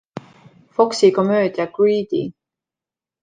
Foxi komöödia „Greedy“.